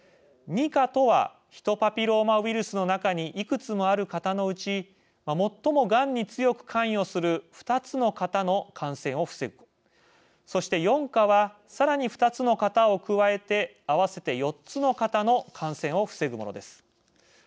２価とはヒトパピローマウイルスの中にいくつもある型のうち最もがんに強く関与する２つの型の感染を防ぐそして４価はさらに２つの型を加えて合わせて４つの型の感染を防ぐものです。